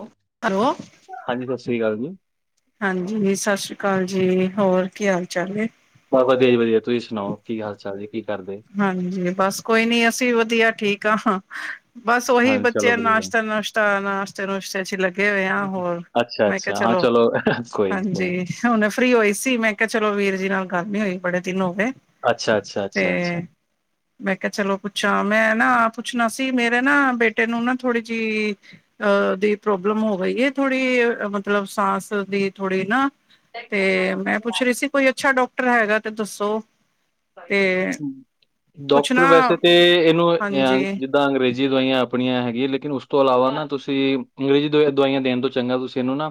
ਹ [unintelligible] ਹੈਲੋ, ਹਾਂਜੀ, ਸਤਿ ਸ੍ਰੀ ਅਕਾਲ ਜੀ, ਹਾਂਜੀ, ਸਤਿ ਸ਼੍ਰੀ ਅਕਾਲ ਜੀ, ਹੋਰ ਕੀ ਹਾਲ ਚਾਲ ਹੈ? ਬਸ ਵਧੀਆ ਜੀ ਵਧੀਆ, ਤੁਸੀਂ ਸੁਣਾਓ? ਕੀ ਹਾਲ-ਚਾਲ ਐ, ਜੀ ਕੀ ਕਰਦੇ? ਹਾਂਜੀ, ਬਸ ਕੋਈ ਨੀ, ਅਸੀਂ ਵੀ ਵਧੀਆ ਠੀਕ ਆ। ਬਸ ਉਹੀ ਹਾਂਜੀ, ਬੱਚੇ ਚਲੋ ਆ ਵਧੀਆ। ਨਾਸ਼ਤਾ ਨਸ਼ਤਾ ਨਾਸ਼ਤੇ ਨੁਸ਼ਤੇ ਚ, ਲੱਗੇ ਹੋਏ ਹਾਂ ਹੋਰ ਅੱਛਾ-ਅੱਛਾ ਹਾਂ ਚਲੋ, ਕੋਈ ਨੀ, ਹੁਣ ਫ੍ਰੀ ਹੋਈ ਸੀ, ਮੈਂ ਕਿਹਾ ਚਲੋ ਵੀਰ ਜੀ ਨਾਲ ਗੱਲ ਨੀ ਹੋਈ, ਬੜੇ ਤਿੰਨ ਹੋ ਗਏ। ਅੱਛਾ, ਅੱਛਾ, ਅੱਛਾ, ਅੱਛਾ। [unintelligible] ਮੈਂ ਕਿਹਾ ਚਲੋ ਪੁੱਛਾਂ, ਮੈਂ ਨਾ ਪੁੱਛਣਾ ਸੀ, ਮੇਰੇ ਨਾ ਬੇਟੇ ਨੂੰ ਨਾ ਥੋੜੀ ਜਿਹੀ। ਅਹ ਦੀ ਪ੍ਰੋਬਲਮ ਹੋ ਗਈ ਹੈ, ਥੋੜ੍ਹੀ ਮਤਲਬ ਸਾਂਸ ਦੀ ਥੋੜ੍ਹੀ ਨਾਂ ਤੇ ਮੈਂ ਪੁੱਛ ਰਹੀ ਸੀ, ਕੋਈ ਅੱਛਾ ਡਾਕਟਰ ਹੈਗਾ ਤੇ ਦੱਸੋ? ਤੇ ਕੁਛ ਡਾਕਟਰ ਨਾ ਵੈਸੇ ਤੇ ਇਹਨੂੰ ਹਾਂਜੀ ਤਾਂ ਅੰਗਰੇਜ਼ੀ ਦਵਾਈਆਂ ਆਪਣੀਆਂ ਹੈਗੀਆਂ, ਲੇਕਿਨ ਉਸ ਤੋਂ ਇਲਾਵਾ ਨਾ ਤੁਸੀਂ ਅੰਗਰੇਜ਼ੀ ਦੀ ਦਵਾਈਆਂ ਦੇਣ ਤੋਂ ਚੰਗਾ ਤੁਸੀਂ ਇਹਨੂੰ ਨਾ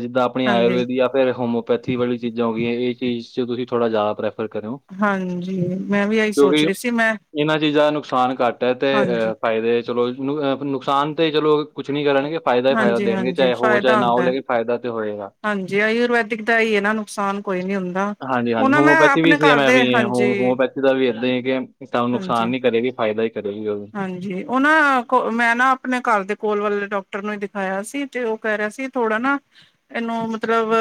ਜਿੱਦਾਂ ਆਪਣੀ ਹਾਂਜੀ ਆਯੁਰਵੇਦ ਜਾਂ ਫਿਰ ਹੋਮਿਓਪੈਥੀ ਵਾਲੀ ਚੀਜ਼ਾਂ ਹੋ ਗੀਆਂ, ਇਹ ਚੀਜ਼ ਚ ਤੁਸੀਂ ਥੋੜ੍ਹਾ ਜ਼ਿਆਦਾ ਪ੍ਰੈਫਰ ਕਰਿਓ। ਹਾਂਜੀ, ਮੈਂ ਵੀ ਇਹੀ ਸੋਚ ਕਿਉਂਕਿ, ਰਹੀ ਸੀ ਮੈਂ ਇਹਨਾਂ ਚੀਜ਼ਾਂ ਨੁਕਸਾਨ ਘੱਟ ਹੈ, ਤੇ ਹਾਂਜੀ ਅਹ ਫਾਇਦੇ। ਚਲੋ, ਨੁਕਸਾਨ ਤੇ ਚਲੋ ਕੁਛ ਨੀ ਕਰਨਗੇ, ਫਾਇਦਾ ਹੀ ਫਾਇਦਾ ਹਾਂਜੀ ਦੇਣਗੇ ਹਾਂਜੀ ਚਾਹੇ ਹੋ ਚਾਹੇ ਫਾਇਦਾ ਨਾ ਹੋ ਹੁੰਦਾ ਲੇਕਿਨ ਫਾਇਦਾ ਤੇ ਹੋਏਗਾ। ਹਾਂਜੀ, ਆਯੁਰਵੈਦਿਕ ਦਾ ਹੀ ਇਹ ਨਾ ਨੁਕਸਾਨ ਕੋਈ ਨੀ ਹੁੰਦਾ। ਉਹ ਹਾਂਜੀ-ਹਾਂਜੀ, ਨਾ ਮੈਂ ਹੋਮਓਪੈਥੀ ਵੀ ਆਪਣੇ ਘਰ ਸੇਮ ਐਵੇਂ ਦੇ ਹੀ ਹੈ, ਹਾਂਜੀ ਹੋਮਪੈਥੀ ਦਾ ਵੀ ਇੱਦਾਂ ਹੀ ਕਿ ਤਾਂ ਉਹ ਹਾਂਜੀ ਨੁਕਸਾਨ ਹੀ ਕਰੇਗੀ, ਫਾਇਦਾ ਹੀ ਕਰੇਗੀ ਉਹੂ। ਹਾਂਜੀ, ਉਹ ਨਾ ਕੋ ਮੈਂ ਨਾ ਆਪਣੇ ਘਰ ਦੇ ਕੋਲ ਵਾਲੇ ਡਾਕਟਰ ਨੂੰ ਹੀ ਦਿਖਾਇਆ ਸੀ, ਤੇ ਉਹ ਕਹਿ ਰਿਹਾ ਸੀ। ਥੋੜਾ ਨਾ ਇਹਨੂੰ ਮਤਲਬ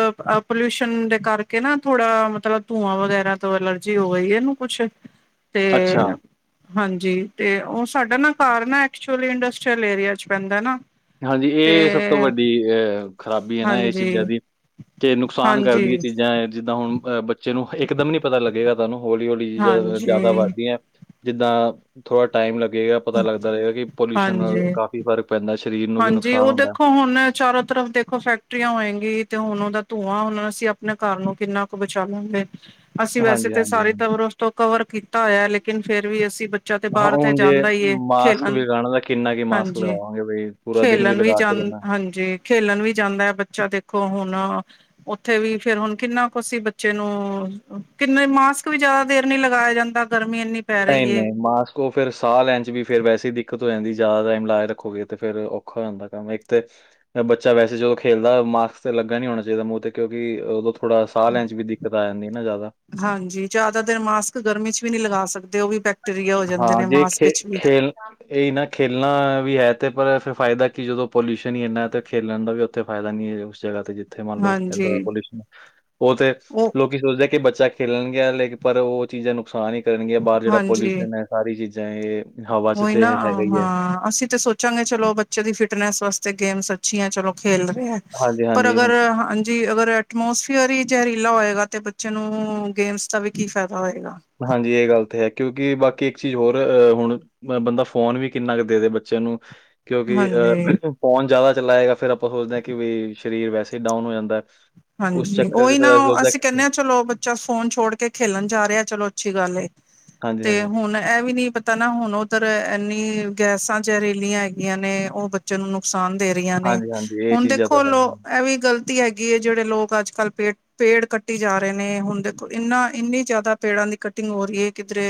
ਪੋਲਿਊਸ਼ਨ ਦੇ ਕਰਕੇ, ਨਾ ਥੋੜਾ ਮਤਲਬ ਧੂੰਆਂ ਵਗੈਰਾ ਤੋ ਐਲਰਜੀ ਹੋ ਰਈ, ਇਨੂੰ ਕੁਛ ਅੱਛਾ, ਤੇ ਹਾਂਜੀ। ਤੇ ਉਹ ਸਾਡਾ ਨਾ ਘਾਰ ਨਾ ਐਕਚੁਲੀ ਇੰਡਸਟਰੀਅਲ ਏਰੀਆ ਚ ਪੈਂਦਾ ਨਾ। ਹਾਂਜੀ, ਤੇ ਇਹ ਸਭ ਤੋਂ ਵੱਡੀ ਅਹ ਖ਼ਰਾਬੀ ਹੈ, ਨਾ ਇਹ ਹਾਂਜੀ ਚੀਜ਼ਾਂ ਦੀ। ਤੇ ਨੁਕਸਾਨ ਹਾਂਜੀ ਕਰਦੀਆਂ, ਚੀਜ਼ਾਂ ਹੈ ਜਿੱਦਾਂ ਹੁਣ ਅ ਚਲੋ, ਇੱਕਦਮ ਨੀ ਪਤਾ ਲੱਗੇਗਾ, ਤੁਹਾਨੂੰ ਹੌਲੀ-ਹੌਲੀ ਜ਼ਿਆਦਾ ਹਾਂਜੀ ਵੱਧਦੀ ਹੈ। ਜਿੱਦਾਂ ਥੋੜਾ ਟਾਈਮ ਲੱਗੇਗਾ, ਪਤਾ ਲੱਗਦਾ ਰਹੇਗਾ ਕਿ ਪੋਲਿਊਸ਼ਨ ਨਾਲ ਹਾਂਜੀ ਕਾਫੀ ਫ਼ਰਕ ਪੈਂਦਾ ਸੀਂ। ਹਾਂਜੀ, ਉਹ ਦੇਖੋ ਹੁਣ ਚਾਰੋ ਤਰਫ ਦੇਖ ਫੈਕਟਰੀਆਂ ਹੋਏਗੀ, ਤੇ ਹੁਣ ਉਹਦਾ ਧੂੰਆਂ ਹੁਣ ਅਸੀਂ ਆਪਣੇ ਘਰ ਨੂੰ ਕਿੰਨਾ ਕੁ ਬਚਾ ਲਾਂਗੇ? ਅਸੀਂ ਵੈਸੇ ਹਾਂਜੀ ਤੇ ਹਾਂਜੀ ਸਾਰੀ ਹਾਂਜੀ ਤਬਰਸਤ ਤੋਂ ਕਵਰ ਕੀਤਾ ਹੋਇਆ, ਲੇਕਿਨ ਫੇਰ ਵੀ ਅਸੀਂ ਬੱਚਾ ਤੇ ਬਾਹਰ ਤੇ ਜਾਂਦਾ ਹੀਏ ਖੇ ਇਕ ਵੀ ਲਗਾਉਣਾ ਦਾ ਕਿੰਨਾ ਕਿ ਮਾਸਕ ਲਗਾਵਾਂਗੇ ਵੇ ਖੇਲਣ ਵੀ ਜਾਨ, ਹਾਂਜੀ ਖੇਲਣ ਵੀ ਜਾਂਦਾ ਹੈ ਬੱਚਾ ਦੇਖੋ ਹੁਣ ਉੱਥੇ ਵੀ ਫੇਰ ਹੁਣ ਕਿੰਨਾ ਕੁ ਸੀ ਬੱਚੇ ਨੂੰ ਕਿੰਨੇ ਮਾਸਕ ਵੀ ਜਿਆਦਾ ਦੇਰ ਨੀ ਲਗਾਇਆ ਜਾਂਦਾ। ਗਰਮੀ ਏਨੀ ਨਹੀਂ-ਨਹੀਂ, ਮਾਸਕ ਉਹ ਫਿਰ ਸਾਹ ਲੈਣ ਚ ਵੀ ਫਿਰ ਵੈਸੇ ਹੀ ਦਿੱਕਤ ਹੋ ਜਾਂਦੀ, ਜ਼ਿਆਦਾ ਟਾਈਮ ਲਾਯ ਰੱਖੋਗੇ ਤੇ ਫੇਰ ਔਖਾ ਹੋ ਜਾਂਦਾ ਕੰਮ ਇੱਕ ਤੇ ਬੱਚਾ ਵੈਸੇ ਜਦੋਂ ਖੇਲਦਾ ਮਾਸਕ ਤੇ ਲੱਗਾ ਨੀ ਹੋਣਾ ਚਾਹੀਦਾ ਮੂਹ ਤੇ ਕਿਉਂਕਿ ਉਦ ਥੋੜਾ ਸਾਹ ਲੈਣ ਚ ਵੀ ਦਿੱਕਤ ਆ ਜਾਂਦੀ ਨਾ ਜ਼ਿਆਦਾ ਹਾਂਜੀ, ਜ਼ਿਆਦਾ ਦੇਰ ਮਾਸਕ ਗਰਮੀ ਚ ਵੀ ਨਹੀਂ ਲਗਾ ਸਕਦੇ ਉਹ ਵੀ ਬੈਕਟੀਰੀਆ ਹੋ ਜਾਂਦੇ ਹਾਂ, ਨੇ ਜੇ ਮਾਸਕ ਖੇ ਵਿੱਚ ਵੀ ਖੇਲ ਇਹੀ ਨਾ ਖੇਲਣਾ ਵੀ ਹੈ ਤੇ ਪਰ ਫਿਰ ਫਾਇਦਾ ਕਿ ਜਦੋਂ ਪੋਲਿਊਸ਼ਨ ਹੀ ਇੰਨਾ ਹੈ ਤੇ ਖੇਲਣ ਦਾ ਵੀ ਉੱਥੇ ਫਾਇਦਾ ਨੀ ਹੈ ਉਸ ਜਗ੍ਹਾ ਤੇ ਜਿੱਥੇ ਮੰਨ ਲਓ ਹਾਂਜੀ ਏਦਾਂ ਪੋਲਿਊਸ਼ਨ ਉਹ ਤੇ ਉਹ ਲੋਕੀ ਸੋਚਦੇ ਆ ਕਿ ਬੱਚਾ ਖੇਲਣ ਗਯਾ ਲੇਕਿ ਪਰ ਉਹ ਚੀਜ਼ਾਂ ਨੁਕਸਾਨ ਹੀ ਕਰਨਗੀਆਂ ਬਾਹਰ ਜਿਹੜਾ ਹਾਂਜੀ ਪੋਲਿਊਸ਼ਨ ਹੈ ਸਾਰੀ ਚੀਜ਼ਾਂ ਇਹ, ਹਵਾ ਚ ਉਹੀ ਤੇ ਨਾ ਹੈਗਾ ਹੀ ਹੈ। ਹਾਂ, ਅਸੀਂ ਤਾਂ ਸੋਚ ਚੰਗੇ ਚਲੋ ਬੱਚੇ ਦੀ ਫਿਟਨੈਸ ਵਾਸਤੇ ਗੇਮਸ ਅੱਛੀਆਂ ਚਲੋ ਖੇਲ ਰਹੇ ਹੈ। ਹਾਂਜੀ, ਪਰ ਹਾਂਜੀ, ਹਮ, ਅਗਰ ਜੀ ਅਗਰ ਐਟਮੋਸਫੀਅਰ ਹੀ ਜ਼ਹਿਰੀਲਾ ਹੋਏਗਾ ਤੇ ਬੱਚੇ ਨੂੰ, ਗੇਮਸ ਦਾ ਵੀ ਕੀ ਫਾਇਦਾ ਹੋਏਗਾ? ਹਾਂਜੀ, ਇਹ ਗੱਲ ਤੇ ਹੈ ਕਿਉਂਕਿ ਬਾਕੀ ਇੱਕ ਚੀਜ਼ ਹੋਰ ਅ ਹੁਣ ਅ ਬੰਦਾ ਫੋਨ ਵੀ ਕਿੰਨਾ ਕੁ ਦੇ ਦੇ ਬੱਚੇ ਨੂੰ? ਕਿਉਂਕਿ ਹਾਂਜੀ ਅਹ ਫੋਨ ਜ਼ਿਆਦਾ ਚਲਾਏਗਾ ਫੇਰ ਆਪਾਂ ਸੋਚਦੇ ਹਾਂ ਕਿ ਬਈ ਸਰੀਰ ਵੈਸੇ ਡਾਊਨ ਹੋ ਜਾਂਦਾ ਐ। ਹਾਂਜੀ, ਉਹੀ ਨਾ ਅਸੀਂ ਕਹਿੰਦੇ ਹਾਂ ਚਲੋ ਬਚਾ ਫੋਨ ਛੋੜ ਕੇ ਖੇਲਣ ਜਾ ਰਿਹਾ ਚਲੋ ਅੱਛੀ ਗੱਲ ਏ। ਹਾਂਜੀ, ਤੇ ਹਾਂਜੀ, ਹੁਣ ਇਹ ਵੀ ਨੀ ਪਤਾ ਨਾ ਹੁਣ ਉਧਰ ਇੰਨੀ ਗੈਸਾਂ ਜਹਰਿਲੀਆਂ ਹੈਗੀਆਂ ਨੇ ਉਹ ਬ ਬੱਚੇ ਨੂੰ ਨੁਕਸਾਨ ਦੇ ਰਹੀਆਂ ਨੇ। ਹਾਂਜੀ, ਹਾਂਜੀ ਇਹ ਹੁਣ ਚੀਜ਼ਾਂ ਦੇਖੋ ਤਾਂ ਲੋ ਹੈ। ਇਹ ਵੀ ਗ਼ਲਤੀ ਹੈਗੀ ਹੈ। ਜਿਹੜੇ ਲੋਕ ਅੱਜ ਕੱਲ੍ਹ ਪੇੜ ਪੇੜ ਕੱਟੀ ਜਾ ਰਹੇ ਨੇ, ਹੁਣ ਦੇਖੋ ਇੰਨਾ ਇੰਨੀ ਜ਼ਿਆਦਾ ਪੇੜਾਂ ਦੀ ਕੱਟਿੰਗ ਹੋ ਰਹੀ ਹੈ ਕਿਧਰੇ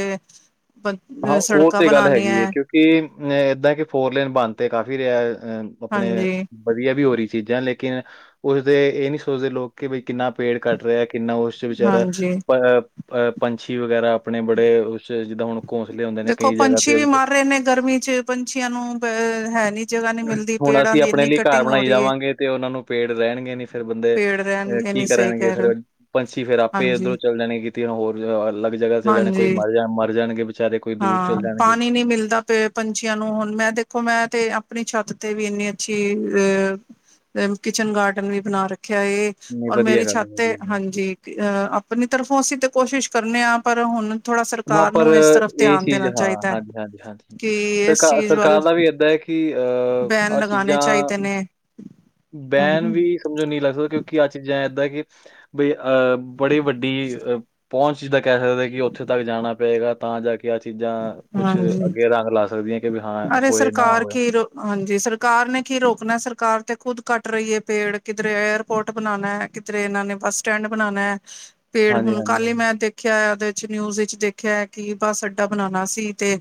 ਅ ਸੜਕਾਂ ਬਿਆਨੀ ਐ। ਕਿ ਅ ਏਦਾਂ ਕਿ ਫੋਰਲੇਨ ਬੰਦ ਤੇ ਕਾਫ਼ੀ ਰਿਹਾ ਅ ਆਪਣੇ ਹਾਂਜੀ ਵਧੀਆ ਵੀ ਹੋ ਰਹੀ ਚੀਜ਼ਾਂ, ਲੇਕਿਨ ਉਸਦੇ ਇਹ ਨੀ ਸੋਚਦੇ ਲੋਕ ਕਿ ਬਈ ਕਿੰਨਾ ਪੇੜ ਕੱਟ ਰਿਹਾ ਕਿੰਨਾ ਉਸ ਵਿਚਾਰਾ ਹਾਂਜੀ ਅ ਪੰਛੀ ਵਗੈਰਾ ਆਪਣੇ ਬੜੇ ਉਸ ਜਿੱਦਾਂ ਹੁਣ ਘੋਂਸਲੇ ਹੁੰਦੇ ਨੇ ਦੇਖੋ ਕਈ ਜਗ੍ਹਾ ਪੰਛੀ ਤੇ ਵੀ ਮਰ ਰਹੇ ਨੇ ਗਰਮੀ ਚ, ਪੰਛੀਆਂ ਨੂੰ ਹੈ ਨੀ ਜਗ੍ਹਾ ਨਹੀਂ ਮਿਲਦੀ ਹੁਣ ਪੇੜਾਂ ਅਸੀਂ ਦੀ ਆਪਣੇ ਇੰਨੀ ਲਈ ਘਰ ਕਟਿੰਗ ਹੋ ਬਣਾਈ ਰਹੀ ਹੈ ਜਾਵਾਂਗੇ ਤੇ ਉਹਨਾਂ ਨੂੰ ਪੇੜ ਰਹਿਣਗੇ ਨੀ ਫਿਰ ਦੇ ਪੇੜ ਅ ਰਹਿਣਗੇ ਨੀ ਕੀ ਸਹੀ ਕਰਨਗੇ, ਕਹਿ ਰਹੇ ਹੋ ਫੇਿਰ ਪੰਛੀ ਫੇਰ ਆਪੇ ਹਾਂਜੀ ਉੱਧਰੋਂ ਚੱਲ ਜਾਣਗੇ। ਤ ਹੋਰ ਅਲੱਗ ਜਗ੍ਹਾ ਚ' ਜਾਣੇ, ਕੋਈ ਹਾਂਜੀ ਮਰ ਜਾ ਮਰ ਜਾਣਗੇ ਵਿਚਾਰੇ ਕੋਈ ਦੂਰ ਹਾਂ, ਚਲ ਜਾਣਗੇ ਪਾਣੀ ਨੀ ਮਿਲਦਾ। ਪ ਪੰਛੀਆਂ ਨੂੰ ਹੁਣ ਮੈਂ ਦੇਖੋ ਮੈਂ ਤੇ ਆਪਣੀ ਛੱਤ ਤੇ ਵੀ ਇੰਨੀ ਅੱਛੀ ਅਹ ਤੇ ਕਿਚਨ ਗਾਰਡਨ ਵੀ ਬਣਾ ਰੱਖਿਆ ਇਹ। ਨਹੀਂ ਔਰ ਵਧੀਆ ਮੇਰੀ ਗੱਲ ਹੈ ਛੱਤ ਵਧੀਆ ਗੱਲ ਹੈ। ਹਾਂਜੀ ਅਹ ਆਪਣੀ ਤਰਫੋਂ ਅਸੀਂ ਤੇ ਕੋਸ਼ਿਸ਼ ਕਰਨੇ ਹਾਂ, ਪਰ ਹੁਣ ਥੋੜਾ ਹਾਂ, ਸਰਕਾਰ ਪਰ ਨੂੰ ਇਸ ਤਰਫ ਇਹ ਧਿਆਨ ਚੀਜ਼ ਦੇਣਾ ਹਾਂ, ਚਾਹੀਦਾ ਹੈ ਹਾਂਜੀ- ਹਾਂਜੀ-ਹਾਂਜੀ ਕਿ ਇਸ ਸਰਕਾਰ, ਚੀਜ਼ ਵੱਲ ਸਰਕਾਰ ਦਾ ਵੀ ਏਦਾਂ ਹੈ ਕਿ ਅਹ ਬੈਨ ਆਹ ਲਗਾਣੇ ਚੀਜ਼ਾਂ ਚਾਹੀਦੇ ਨੇ ਬੈਨ ਹਮ ਵੀ ਸਮਝੋ ਨਹੀਂ ਲੱਗ ਸਕਦਾ। ਕਿਉਂਕਿ ਆਹ ਚੀਜ਼ਾਂ ਏਦਾਂ ਕਿ- ਬਈ ਅਹ ਬੜੀ ਵੱਡੀ ਅ ਪਹੁੰਚ ਜਿੱਦਾਂ ਕਹਿ ਸਕਦੇ ਕਿ ਉੱਥੇ ਤੱਕ ਜਾਣਾ ਪਏਗਾ। ਤਾਂ ਜਾ ਕੇ- ਕਿ ਆਹ ਚੀਜ਼ਾਂ ਕੁਛ ਅੱਗੇ ਰੰਗ ਲਾ ਸਕਦੀਆਂ। ਕਿ ਵੀ ਹਾਂ ਅਤੇ ਹੋਏ ਨਾ ਸਰਕਾਰ ਹੋਏ। ਕੇ ਹਾਂਜੀ ਸਰਕਾਰ ਨੇ ਕੀ ਰੋਕਣਾ। ਸਰਕਾਰ ਤੇ ਖੁੱਦ ਕੱਟ ਰਹੀ ਹੈ ਪੇੜ ਕਿਧਰੇ ਅਰ ਫੋਰਟ ਬਣਾਣਾ, ਕਿਧਰੇ ਇਹਨਾਂ ਨੇ ਬੱਸ ਸਟੈਂਡ ਬਣਾਣਾ। ਪੇੜ ਹੁਣ ਹਾਂਜੀ-ਹਾਂਜੀ, ਕੱਲ ਹਾਂਜੀ। ਹੀ ਮੈਂ ਦੇਖ ਦੇਖਿਆ ਉਹਦੇ ਵਿੱਚ ਨਿਊਜ਼ ਚ 'ਦੇਖਿਆ ਹੈ। ਕਿ ਬਸ ਅਡਾ ਬਣਾਉਣਾ ਸੀ ਤੇ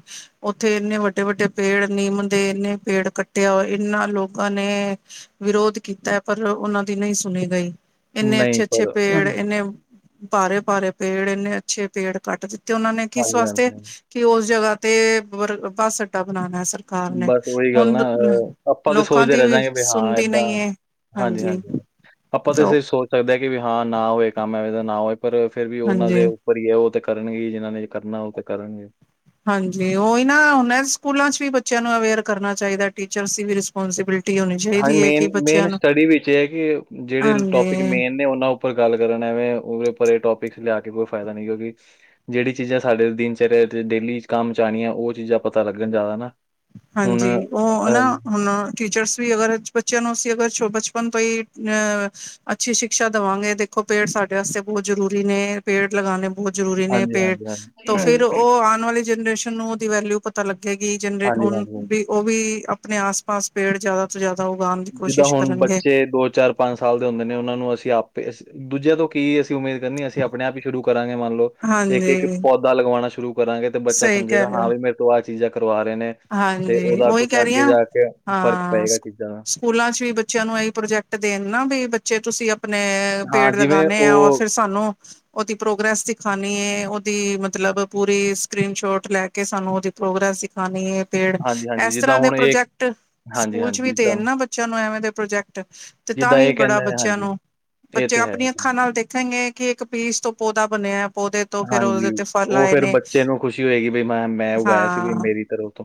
ਉੱਥੇ ਇੰਨੇ ਵੱਡੇ ਵੱਡੇ ਪੇੜ ਨੀਮ ਦੇ ਇੰਨੇ ਪੇੜ ਕੱਟਿਆ। ਇਹਨਾ ਲੋਕਾਂ ਨੇ ਵਿਰੋਧ ਕੀਤਾ ਪਰ ਉਹਨਾਂ ਦੀ ਨਹੀਂ ਸੁਣੀ ਗਈ। ਹਾਂਜੀ। ਇੰਨੇ ਨਹੀਂ ਅੱਛੇ- ਅੱਛੇ ਪਰ ਪੇੜ ਇੰਨੇ ਭਾਰੇ- ਭਾਰੇ ਪੇੜ ਇੰਨੇ ਅੱਛੇ ਪੇੜ ਕੱਟ ਦਿੱਤੇ। ਉਹਨਾਂ ਨੇ ਕਿਸ ਵਾਸਤੇ ਹਾਂਜੀ-ਹਾਂਜੀ, ਹਾਂਜੀ। ਹਾਂਜੀ। ਕਿ ਉਸ ਜਗ੍ਹਾ ਤੇ ਬੱਸ ਅੱਡਾ ਬਣਾਉਣਾ। ਸਰ ਬਸ ਉਓਹੀ ਗੱਲ ਨਾ। ਆਪਾਂ ਤਾਂ ਲੋਕਾਂ ਸੋਚਦੇ ਦੀ ਰਹਿ ਵੀ ਜਾਂਵਾਗੇ। ਬਸ ਸੁਣਦੀ ਏਦਾਂ ਨਹੀਂ ਹੈ ਹਾਂਜੀ -ਹਾਂਜੀ ਆਪਾਂ ਤਾਂ ਇਸੇ ਸੋਚ ਸਕਦੇ ਕਿ ਵੀ ਹਾਂ ਨਾ ਹੋਏ ਕੰਮ ਏਵੇ ਦਾ ਨਾ ਹੋਏ। ਪਰ ਫਿਰ ਵੀ ਉਹਨਾਂ ਹਾਂਜੀ ਦੇ ਭਰੀ ਹੈ ਉਹ ਤੇ ਕਰਨਗੇ ਜਿਹਨਾਂ ਨੇ ਕਰਨਾ ਉਹ ਤੇ ਕਰਨਗੇ। ਹਾਂਜੀ, ਉਹਹੀ ਨਾ ਹ ਸਕੂਲਾਂ ਚ' ਵੀ ਬੱਚਿਆਂ ਨੂੰ ਅਵੇਅਰ ਕਰਨਾ ਚਾਹੀਦਾ। ਟੀਚਰਸ ਦੀ ਵੀ ਪੋਂਸੀਬਿਲਟੀ ਹੋਣੀ ਹਾਂਜੀ ਚਾਹੀਦੀ ਹੈ ਮੇਨ ਕਿ ਬੱਚਿਆਂ -ਮੇਨ ਨੂੰ ਸਟੱਡੀ ਵਿੱਚ ਇਹ ਹੈ ਕਿ ਜਿਹੜੇ ਟੋਪਿਕ ਹਾਂਜੀ ਮੇਨ ਤੇ ਉਹਨਾਂ ਉਪਰ ਗੱਲ ਕਰਨ ਐਵੇਂ ਉਹਦੇ ਉੱਪਰ ਇਹ ਟੋਪਿਕਸ ਲਿਆ ਕੇ ਕੋਈ ਫਾਇਦਾ ਨਹੀਂ। ਕਿਉਂਕਿ ਜਿਹੜੀ ਚੀਜ਼ਾਂ ਸਾਡੇ ਦਿਨਚਰਿਆ ਚ' ਡੇਲੀ ਕੰਮ ਚ' ਆਉਣੀਆਂ ਉਹ ਚੀਜ਼ਾਂ ਪਤਾ ਲੱਗਣ ਜ਼ਿਆਦਾ ਹੁਣ ਹਾਂਜੀ। ਅ ਉਹ ਨਾ ਹੁਣ ਟੀਚਰਸ ਵੀ ਅਗਰ ਬੱਚਿਆਂ ਨੂੰ ਅਸੀਂ ਅਗਰ ਬਚਪਨ ਤੋਂ ਹੀ ਅਹ ਅੱਛੀ ਸ਼ਿਕਸ਼ਾ ਦੇਵਾਂਗੇ ਦੇਖੋ, ਪੇੜ ਸਾਡੇ ਵਾਸਤੇ ਬਹੁਤ ਜ਼ਰੂਰੀ ਨੇ। ਪੇੜ ਲਗਾਉਣੇ ਬਹੁਤ ਜ਼ਰੂਰੀ ਨੇ ਹਾਂਜੀ, ਹਾਂਜੀ, ਪੇੜ, ਤੋਂ ਫਿਰ ਹਾਂਜੀ। ਉਹ ਆਉਣ ਵਾਲੀ ਜਨਰੇਸ਼ਨ ਨੂੰ ਉਹਦੀ ਵੈਲਿਊ ਪਤਾ ਲੱਗੇਗੀ। ਜ ਹਾਂਜੀ, ਹੁਣ ਹਾਂਜੀ। ਓਵੀ ਉਹ ਵੀ ਆਪਣੇ ਆਸ- ਪਾਸ ਪੇੜ ਜਿਆਦਾ ਤੋਂ ਜ਼ਿਆਦਾ ਉਗਾਉਣ ਦੀ ਕੋਸ਼ਿਸ਼ ਕਰਨਗੇ। ਤੇ ਦੋ- ਚਾਰ ਪੰਜ ਸਾਲ ਦੇ ਹੁੰਦੇ ਨੇ ਉਹਨਾਂ ਨੂੰ ਅਸੀਂ ਆਪੇ ਦੂਜਿਆਂ ਤੋਂ ਕੀ ਅਸੀਂ ਉਮੀਦ ਕਰਨੀ ਅਸੀਂ ਆਪਣੇ- ਆਪ ਹੀ ਸ਼ੁਰੂ ਕਰਾਂਗੇ ਮੰਨ ਲਓ ਇੱਕ- ਇੱਕ ਹਾਂਜੀ ਪੌਦਾ ਲਗਵਾਉਣਾ ਸ਼ੁਰੂ ਕਰਾਂਗੇ ਤੇ ਬੱਚਾ ਸਹੀ ਕਹਿ ਸਮਝੇਗਾ ਰਹੇ ਹੋ ਹਾਂ ਵੀ ਮੇਰੇ ਤੋਂ ਆਹ ਚੀਜ਼ਾਂ ਕਰਵਾ ਰਹੇ ਨੇ। ਤੇ ਹਾਂਜੀ ਉਹਦਾ ਉਹੀ ਕੁਛ ਕਹਿ ਰਹੀ ਅੱਗੇ ਹਾਂ ਜਾ ਕੇ ਫ਼ਰਕ ਹਾਂ ਪਏਗਾ ਚੀਜ਼ਾਂ ਦਾ। ਸਕੂਲਾਂ 'ਚ ਵੀ ਬੱਚਿਆਂ ਨੂੰ ਇਹੀ ਪ੍ਰੋਜੈਕਟ ਦੇਣ ਨਾ ਵੀ ਬੱਚੇ ਤੁਸੀਂ ਆਪ ਆਪਣੇ ਹਾਂ, ਪੇੜ ਜਿਵੇਂ ਲਗਾਉਂਦੇ ਹਾਂ ਔਰ ਉਹ ਫਿਰ ਸਾਨੂੰ ਉਹਦੀ ਪ੍ਰੋਗਰੈਸ ਸਿਖਾਉਣੀ ਏ ਉਹਦੀ ਮਤਲਬ ਪੂਰੀ ਸਕਰੀਨ ਸ਼ੋਟ ਲੈ ਕੇ ਸਾਨੂੰ ਉਹਦੀ ਪ੍ਰੋਗਰੈਸਖ ਲਗਾਨੀ ਏ ਪੇੜ। ਹਾਂਜੀ, ਹਾਂਜੀ ਇਸ ਜਿੱਦਾਂ ਤਰਾਂ ਦੇ ਹੁਣ ਇਹ ਪ੍ਰੋਜੈਕਟ ਹਾਂਜੀ, ਸਕੂਲ ਹਾਂਜੀ ਵੀਚ ਜਿੱਦਾਂ ਦੇਣ ਨਾ ਬੱਚੇ ਚਲੋ ਐਵੇਂ ਦੇ ਪ੍ਰੋਜੈਕਟ। ਤੇ ਤਾਂ ਜਿੱਦਾਂ ਵੀ ਇਹ ਬੜਾ ਕਹਿੰਦੇ ਨੇ ਬੱਚਿਆਂ ਹਾਂਜੀ, ਨੂੰ ਇਹ ਬੱਚੇ ਤੇ ਆਪਣੀਆਂ ਹੈ। ਅੱਖਾਂ ਨਾਲ ਦੇਖਣਗੇ। ਕਿ ਇੱਕ ਪੀਸ ਤੋਂ ਪੌਦਾ ਬਣਿਆ ਪੌਦੇ ਤੋਂ ਫਿਰ ਹਾਂਜੀ ਉਹਦੇ ਤੇ ਫਲ ਉਹ ਆਏ ਫੇਿਰ ਨੇ ਬੱਚੇ ਨੂੰ ਖੁਸ਼ੀ ਹੋਏਗੀ ਬਈਮੈਂ ਮੈਂ ਉਗਾਇਆ ਸੀ ਵੀ ਹਾਂ ਮੇਰੀ ਤਰ ਤੋਂ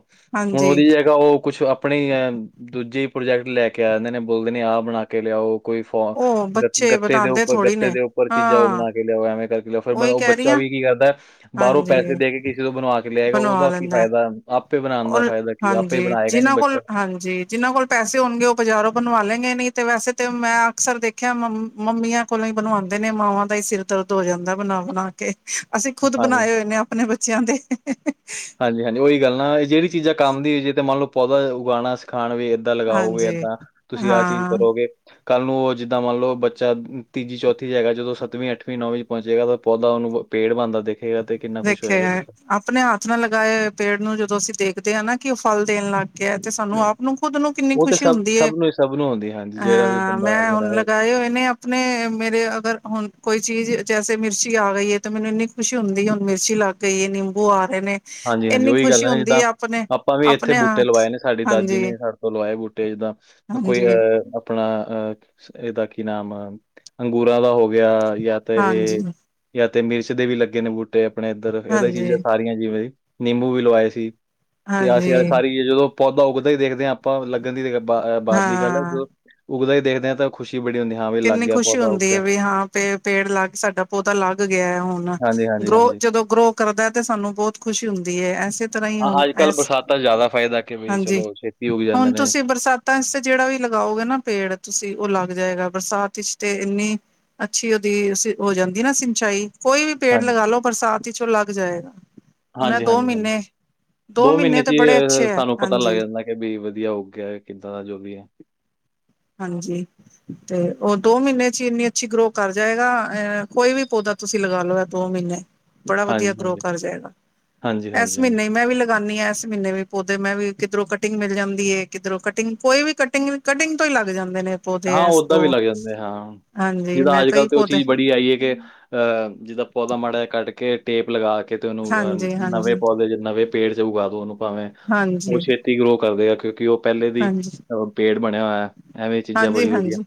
ਹੁਣ ਹਾਂਜੀ ਉਹਦੀ ਜ ਹੈਗਾ ਉਹ ਕੁਛ ਆਪਣੇ ਦੂਜੇ ਪ੍ਰੋਜੈਕਟ ਲੈ ਕੇ ਆ ਜਾਂਦੇ ਨੇ ਬੋਲਦੇ ਨੇ ਆਹ ਬਣਾ ਕੇ ਲਿਆਓ ਕੋਈ ਫੋ ਉਹ ਗ ਬੱਚੇ ਗੱਤੇ ਦੇ ਬਣਾਉਂਦੇ ਉੱਪਰ ਥੋੜ੍ਹੀ ਗੱਤੇ ਨੇ ਦੇ ਉੱਪਰ ਚੀਜ਼ਾਂ ਉਹ ਹਾਂ ਬਣਾ ਕੇ ਲਿਆਓ ਐਵੇਂ ਕਰਕੇ ਲਿਆਓ ਫਿਰ ਉਹੀ ਉਹ ਕਹਿ ਰਹੀ ਤਾ ਹਾਂ ਵੀ ਕੀ ਕਰਦਾ। ਹੈਬਾਹਰੋਂ ਹਾਂਜੀ ਪੈਸੇ ਦੇ ਕੇ ਕਿਸੇ ਬਣਵਾ ਕੇ ਲਿਆਏਗਾ ਬਣਵਾ ਉਹਦਾ ਕੀ ਲੈਂਦਾ ਫਾਇਦਾ ਆਪੇ ਬਣਾਉਣ ਦਾ ਔਰ ਫਾਇਦਾ ਕੀ ਆਪੇ ਹੀ ਹਾਂਜੀ ਬਣਾਏਗਾ ਨੀ ਜਿਨਾਂ ਬੱਚਾ ਕੋਲ ਹਾਂਜੀ ਜਿਹਨਾਂ ਕੋਲ ਪੈਸੇ ਹੋਣਗੇ ਉਹ ਬਾਜ਼ਾਰੋਂ ਬਣਵਾ ਲੈਂ ਗੇ ਨਹੀਂ ਤੇ ਵੈਸੇ ਤਾਂ ਮੈਂ ਅਕਸਰ ਦੇਖਿਆ ਮੰ ਮੰਮੀਆਂ ਕੋਲੋ ਹੀ ਬਣਵਾਉਂਦੇ ਨੇ ਮਾਵਾਂ ਦਾ ਹੀ ਸਿਰ ਦਰਦ ਹੋ ਜਾਂਦਾ ਬਣਾ ਬਣਾ ਕੇ ਅਸੀਂ ਖੁਦ ਹਾਂਜੀ। ਬਣਾਏ ਹੋਏ ਨੇ ਆਪਣੇ ਬੱਚਿਆਂ ਦੇ ਹਾਂਜੀ -ਹਾਂਜੀ ਉਹੀ ਗੱਲ ਨਾ ਇਹ ਜਿਹੜੀ ਚੀਜ਼ ਆ ਕੰਮ ਦੀ ਹੋਈੇ ਤਾਂ ਮੰਨ ਲਓ ਪੌਦਾ ਉਗਾਉਣਾ ਸਿਖਾਉਣ ਗੇ ਇੱਦਾਂ ਲਗਾਓਗੇ ਹਾਂਜੀ ਏਦਾਂ ਤੁਸੀਂ ਆਹ ਚੀਜ਼ ਹਾਂ ਕਰੋਗੇ ਤਾਂ ਕੱਲ੍ਹ ਨੂੰ ਉਹ ਜਿੱਦਾਂ ਮੰਨ ਲਉ ਬੱਚਾ ਤੀਜੀ ਚੌਥੀ 'ਚ ਹੈਗਾ ਜਦੋਂ ਸੱਵੀਂ ਅਠਵੀਂ ਨੌਵੀਂ ' ਪਹੁੰਚੇਗਾ ਤਾਂ ਪੌਦਾ ਉਹਨੂੰ ਪੇੜ ਬਣਦਾ ਦੇਖੇਗਾ ਤੇ ਕਿੰਨਾ ਖੁਸ਼ ਹੋਏਗਾ ਵੇਖਿਆ ਬੱਚਾ ਆਪਣੇ ਹੱਥ ਨਾਲ ਲਗਾਏ ਪੇੜ ਨੂੰ ਜਦੋਂ ਅਸੀਂ ਦੇਖਦੇ ਹਾਂ ਨਾ ਕਿ ਉਹ ਫਲ ਦੇਣ ਲੱਗ ਕਿਹਾ ਤੇ ਸਾਨੂੰ ਆਪ ਨੂੰ ਖੁਦ ਨੂੰ ਕਿੰਨੀ ਉਹ ਤੇ ਖੁਸ਼ੀ ਸਭ ਹੁੰਦੀ ਹੈ ਸਭ ਨੂੰ ਸਭ ਨੂੰ ਹੁੰਦੀ ਹਾਂਜੀ ਜਿਹੜਾ ਵੀ ਅਹ ਬੰਦਾ ਮੈਂ ਹੁਣ ਲਗਾਏ ਹੋਏ ਨੇ ਆਪਣੇ ਮੇਰੇ ਅਗਰ ਹੁਣ ਕੋਈ ਚੀਜ਼ ਜੈਸੇ ਮਿਰਚੀ ਆ ਗਈ ਹੈ ਤੇ ਮੈਨੂੰ ਇੰਨੀ ਖੁਸ਼ੀ ਹੁੰਦੀ ਹੁੰ ਮਿਰਚੀ ਲੱਗ ਗਈ ਏ ਨਿੰਬੂ ਆ ਗਹੇ ਨੇ ਹਾਂਜੀ -ਹਾਂਜੀ ਇੰਨੀ ਉਹੀ ਗੱਲ ਖੁਸ਼ੀ ਹੈ ਨਾ ਹੁੰਦੀ ਜਿੱਦਾਂ ਆਪਣੇ ਆਪਾਂ ਵੀ ਇੱਥੇ ਆਪਣੇ ਬੂਟੇ ਹੱਥ ਲਵਾਏ ਨੇ ਸਾਡੀ ਦਾਦੀ ਹਾਂਜੀ ਨੇ ਸਾਡੇ ਤੋਂ ਲਵਾਏ ਬੂਟੇ ਜਿੱਦਾਂ ਕੋਈ ਹਾਂਜੀ ਅਹ ਆਪਣਾ ਅਹ ਇਹਦਾ ਕੀ ਨਾਮ ਅੰਗੂਰਾਂ ਦਾ ਹੋ ਗਿਆ ਜਾਂ ਤੇ ਇਹ ਹਾਂਜੀ ਜਾਂ ਤੇ ਮਿਰਚ ਦੇ ਵੀ ਲੱਗੇ ਨੇ ਬੂਟੇ ਆਪਣੇ ਇੱਧਰ ਇਹਦ ਹੀ ਹਾਂਜੀ ਚੀਜ਼ਾਂ ਸਾਰੀਆਂ ਜਿਵੇਂ ਜ ਨਿੰਬੂ ਵੀ ਲਵਾਏ ਸੀ ਤੇ ਅਸੀਂ ਅਜ ਹਾਂਜੀ ਸਾਰੀ ਚੀਜ਼ਾਂ ਤੋ ਪੌਦਾ ਉੱਗਦਾ ਹੀ ਦੇਖਦੇ ਹਾਂ ਆਪਾਂ ਲੱਗਣ ਦੀ ਬਾਹਰ ਦੀ ਗੱਲ ਹੈ ਹਾਂ ਜੋ ਉਗਦਾ ਹੀ ਦੇਖਦੇ ਹਾਂ ਤਾਂ ਉਹ ਖੁਸ਼ੀ ਬੜੀ ਹੁੰਦੀ ਹੈ ਕਿੰਨੀ ਖੁਸ਼ੀ ਹੁੰਦੀ ਹੈ ਵੀ ਹਾਂ ਪੇ ਪੇੜ ਲੱਗ ਸਾਡਾ ਪੌਦਾ ਲੱਗ ਗਿਆ ਹੈ ਹੁਣ ਹਾਂਜੀ, ਹਾਂਜੀ, ਗਰੋ ਹਾਂਜੀ ਜਦੋਂ ਗਰੋ ਕਰਦਾ ਤੇ ਸਾਨੂੰ ਬਹੁਤ ਖੁਸ਼ੀ ਹੁੰਦੀ ਹੈ ਐਸੇ ਤਰ੍ਹਾਂ ਹੀ ਹੁ ਹਾਂ ਅੱਜ ਕੱਲ੍ਹ ਇਸ ਬਰਸਾਤਾਂ 'ਚ ਜ਼ਿਆਦਾ ਫਾਇਦਾ ਕਿ ਵੀ ਹਾਂਜੀ ਚਲੋ ਛੇਤੀ ਉੱਗ ਹੁਣ ਜਾਂਦੇ ਨੇ ਤੁਸੀਂ ਬਰਸਾਤ ਤਾਂ ਇਸ ਤੇ ਜਿਹੜਾ ਵੀ ਲਗਾਓਗੇ ਨਾ ਪੇੜ ਤੁਸੀਂ ਉਹ ਲੱਗ ਜਾਏਗਾ ਬਰਸਾਤ ਵਿੱਚ ਤੇ ਇੰਨੀ ਅੱਛੀ ਉਹਦੀ ਹੋ ਜਾਂਦੀ ਨਾ ਸਿੰਚਾਈ ਕੋਈ ਵੀ ਪੇੜ ਹਾਂਜੀ, ਲਗਾ ਲੋ ਬਰਸਾਤ ਵਿਚ ਓ ਲੱਗ ਜਾਏਗਾ ਹੁਣ ਦੋ ਹਾਂਜੀ-ਹਾਂਜੀ ਹਾਂਜੀ ਮਹੀਨੇ ਦੋ ਮਹੀਨੇ ਚ ਤਾਂ ਹੀ ਬੜੇ ਅ ਅੱਛੇ ਹੈ ਸਾਨੂੰ ਪਤਾ ਲੱਗ ਹਾਂਜੀ ਜਾਂਦਾ ਵੀ ਵਧੀਆ ਉਗ ਗਿਆ ਕਿੱਦਾਂ ਦਾ ਜੋ ਵੀ ਹੈ ਹਾਂਜੀ ਤੇ ਉਹ ਦੋ ਮਹੀਨੇ ਚ ਹੀ ਇੰਨੀ ਅੱਛੀ ਗਰੋ ਕਰ ਜਾਏਗਾ ਅ ਕੋਈ ਵੀ ਪੌਦਾ ਤੁਸੀਂ ਲਗਾ ਲੋ ਹੈ ਦੋ ਮਹੀਨੇ ਬੜਾ ਵਧੀਆ ਹਾਂਜੀ, ਗਰੋ ਹਾਂਜੀ। ਕਰ ਜਾਏਗਾ ਹਾਂਜੀ, ਇਸ ਹਾਂਜੀ, ਹਾਂਜੀ। ਮਹੀਨੇ ਮੈਂ ਵੀ ਕਰਨੀ ਆ ਇਸ ਮਹੀਨੇ ਵੀ ਪੌਦੇ ਮੈਂ ਵੀ ਕਿੱਧਰੋਂ ਕਟਿੰਗ ਮਿਲ ਜਾਂਦੀ ਏ ਕਿੱਧਰੋਂ ਕਟਿੰਗ ਕੋਈ ਵੀ ਕਟਿੰਗ-ਕਟਿੰਗ ਤੋਂ ਹੀ ਲੱਗ ਜਾਂਦੇ ਨੇ ਹਾਂ ਉਓਦਾਂ ਵੀ ਲੱਗ ਜਾਂਦੇ ਹਾਂ ਹਾਂਜੀ ਜਿੱਦਾਂ ਮੈਂ ਅੱਜ ਕੱਲ੍ਹ ਕਈ ਤੇ ਉਹ ਪੌਦੇ ਚੀਜ਼ ਬੜੀ ਆਈ ਹੈ ਕਿ ਅ ਜਦੋਂ ਪੌਦਾ ਮਾੜਾ ਕੱਢ ਕੇ ਟੇਪ ਲਗਾ ਕੇ ਕਿਤੇ ਉਹਨੂੰ ਅਹ ਹਾਂਜੀ, ਨਵੇਂ ਹਾਂਜੀ, ਪੌਦੇ ਨਵੇਂ ਪੇੜ ਚ ਉਗਾ ਦੋ ਉਹਨੂੰ ਭਾਵੇਂ ਉਹ ਹਾਂਜੀ, ਛੇਤੀ ਗਰੋ ਕਰਦੇ ਆ ਕਿਉਂਕਿ ਉਹ ਪਹਿਲੇ ਦੀ ਹਾਂਜੀ, ਅਹ ਪੇੜ ਬਣਿਆ ਹੋਇਆ ਐਵੇਂ ਚੀਜ਼ਾਂ ਹਾਂਜੀ, ਬੜੀ ਵਧੀਆ ਹਾਂਜੀ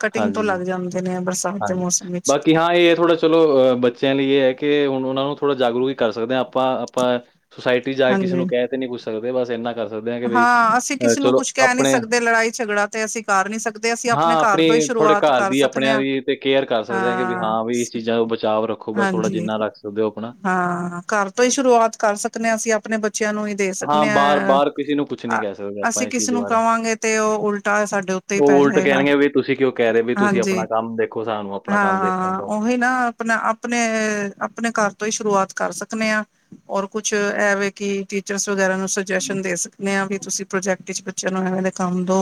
ਕਟਿੰਗ ਤੋਂ ਲੱਗ ਜਾਂਦੇ ਨੇ ਬਰਸਾਤ ਦੇ ਹਾਂਜੀ-ਹਾਂਜੀ ਮੌਸਮ ਵਿੱਚ ਬਾਕੀ ਹਾਂ ਇਹ ਥੋੜ੍ਹਾ ਚਲੋ ਅਹ ਬੱਚਿਆਂ ਲਈ ਇਹ ਹੈ ਕਿ ਹੁਣ ਉਹਨਾਂ ਨੂੰ ਥੋੜ੍ਹਾ ਜਾਗਰੂਕ ਹੀ ਕਰ ਸਕਦੇ ਹਾਂ ਆਪਾਂ-ਆਪਾਂ ਸੁੋਸਾਇਟੀ ਜਾ ਕੇ ਕਿਸੇ ਹਾਂਜੀ ਨੂੰ ਕਹਿ ਤੇ ਨੀ ਪੁੱਛ ਸਕਦੇ ਬਸ ਇੰਨਾ ਕਰ ਸਕਦੇ ਕਿ ਬਈ ਹਾਂ ਅਸੀਂ ਅ, ਕਿਸੇ ਨੂੰ ਚਲੋ ਕੁਛ ਕਹਿ ਨਹੀਂ ਆਪਣੇ ਸਕਦੇ ਲੜਾਈ ਝਗੜਾ ਤੇ ਅਸੀਂ ਕਰ ਨੀ ਸਕਦੇ ਅਸੀਂ ਆਪਣੇ ਹਾਂ, ਘਰ ਤੋਂ ਹੀ ਆਪਣੀ ਥੋੜ੍ਹੇ ਸ਼ੁਰੂਆਤ ਘਰ ਕਰ ਦੀ ਸਕਦੇ ਆਪਣਿਆਂ ਹਾ ਦੀ ਤੇ ਕੇਅਰ ਕਰ ਸਕਦੇ ਹਾਂ ਕਿ ਵੀ ਹਾਂ ਵੀ ਇਸ ਚੀਜ਼ਾਂ ਤੋਂ ਬਚਾਵ ਰੱਖੋ ਬਸ ਥੋੜ੍ਹਾ ਹਾਂਜੀ ਜਿੰਨਾ ਰੱਖ ਸਕਦੇ ਹੋ ਆਪਣਾ। ਹਾਂ ਘਰ ਤੋਂ ਹੀ ਸ਼ੁਰੂਆਤ ਕਰ ਸਕ ਦੇ ਹਾਂ ਅਸੀਂ ਆਪਣੇ ਬੱਚਿਆਂ ਨੂੰ ਹੀ ਦੇ ਸਕਦੇ ਬਾਹਰ ਹਾਂ ਬਾਹਰ ਕਿਸੇ ਨੂੰ ਕੁਛ ਨੀ ਕਹਿ ਸਕਦੇ ਆਪਾਂ ਅਸੀਂ ਇਸ ਕਿਸੇ ਚੀਜ਼ ਨੂੰ ਬਾਰੇ ਕਵਾਂਗੇ ਤੇ ਉਹ ਉਲਟਾਆ ਸਾਡੇ ਤੇ ਉਹ ਉਲਟ ਕਹਿਣਗੇ ਵੀ ਤੁਸੀਂ ਕਿਉਂ ਕਹਿ ਰਹੇ ਵੀ ਤੁਸੀਂ ਹਾਂਜੀ ਆਪਣਾ ਕੰਮ ਦੇਖੋ ਸਾਨੂੰ ਆਪਣਾ ਕੰਮ ਦੇਖਣ ਹਾਂ ਦੋ ਉਹੀ ਨਾ ਆਪਣਾ ਆਪਣੇ-ਆਪਣੇ ਘਰ ਤੋਂ ਹੀ ਸ਼ੁਰੂਆਤ ਕਰ ਸਕਦੇ ਹਾਂ ਹੋਰ ਕੁਛ ਐਵੇ ਕਿ ਵਗੈਰਾ ਨੂੰ ਸੁਜੈਸ਼ਨ ਦੇ ਸਕਦੇ ਆ ਵੀ ਤੁਸੀਂ ਪ੍ਰੋਜੈਕਟ ਚ ਬੱਚਿਆਂ ਨੂੰ ਏਵੇਂ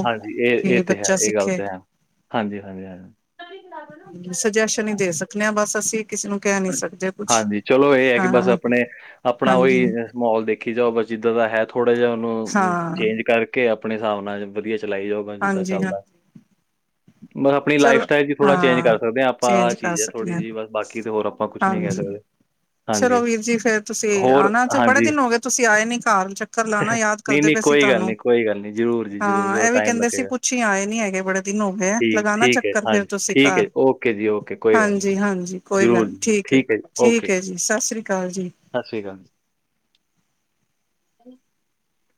ਹਾਂਜੀ ਇਹ-ਇਹ ਤੇ ਹੈ ਇਹ ਗੱਲ ਤਾਂ ਹੈ ਹਾਂਜੀ-ਹਾਂਜੀ-ਹਾਂਜੀ ਸੁਜੈਸ਼ਨ ਹੀ ਦੇ ਸਕਦੇ ਹਾਂ ਬਸ ਅਸੀਂ ਕਿਸੇ ਨੂੰ ਕਹਿ ਨੀ ਸਕਦੇ ਕੁਛ ਹਾਂਜੀ ਚਲੋ ਇਹ ਹੈ ਕਿ ਬਸ ਹਾਂ ਆਪਣੇ ਆਪਣਾ ਉਹੀ ਹਾਂਜੀ ਮਾਹੋਲ ਦੇਖੀ ਜਾਓ ਬਸ ਜਿੱਦਾਂ ਦਾ ਹੈ ਥੋੜਾ ਜਿਹਾ ਹਾਂ ਉਹਨੂੰ ਚੇਂਜ ਕਰ ਕੇ ਆਪਣੇ ਹਿਸਾਬ ਨਾਲ ਵਧੀਆ ਚਲਾਈ ਜਾਊਗਾ ਜਿੱਦਾਂ ਹਾਂਜੀ ਹਾਂ ਚੱਲਦਾ ਬਸ ਆਪਣੀ ਲਾਈਫ ਚਲੋ ਸਟਾਈਲ ਚ ਥੋੜਾ ਚੇਂਜ ਕਰ ਹਾਂ ਸਕਦੇ ਹਾਂ ਆਪਾਂ ਆ ਚੇਂਜ ਕਰ ਚੀਜ਼ ਸਕਨੇ ਥੋੜੀ ਆ ਜਿਹੀ ਬਸ ਬਾਕੀ ਤੇ ਹੋਰ ਆਪਾਂ ਕੁਛ ਨਹੀਂ ਕਹਿ ਹਾਂਜੀ। ਸਕਦੇ ਹਾਂਜੀ ਚਲੋ ਵੀਰ ਜੀ ਫੇਰ ਤੁਸੀਂ ਹੋਰ ਆਣਾ ਬੜੇ ਹਾਂਜੀ ਦਿਨ ਹੋ ਗਏ ਤੁਸੀਂ ਆਏ ਨੀ ਘਰ ਚੱਕਰ ਲਾਣਾ ਯਾਦ ਨਹੀਂ ਕਰਦੇ ਨਹੀਂ ਪਏ ਸੀ ਕੋਈ ਗੱਲ ਤੁਹਾਨੂੰ ਨਹੀਂ ਕੋਈ ਗੱਲ ਨਹੀਂ ਜਰੂਰ ਜੀ ਜਰੂਰ ਹਾਂ ਜਦੋਂ ਇਹ ਵੀ ਟਾਈਮ ਕਹਿੰਦੇ ਸੀ ਲੱਗੇਗਾ ਪੁੱਛ ਹੀ ਆਏ ਨੀ ਹੈਗੇ ਬੜੇ ਦਿਨ ਹੋਗੇ ਠੀਕ ਲਗਾਨਾ ਠੀਕ ਹੈ ਚੱਕਰ ਫਿਰ ਹਾਂਜੀ ਤੁਸੀਂ ਠੀਕ ਘਰ ਹੈ ਓਕੇ ਜੀ ਓਕੇ ਕੋਈ ਗੱਲ ਨਹੀਂ ਹਾਂਜੀ-ਹਾਂਜੀ ਕੋਈ ਗੱਲ ਜਰੂਰ ਨੀ ਜੀ ਠੀਕ [inaudible] ਓਕੇ ਜੀ ਸਤਿ ਸ੍ਰੀ ਅਕਾਲ ਜੀ। ਸਤਿ ਸ਼੍ਰੀ ਅਕਾਲ। [inaudible]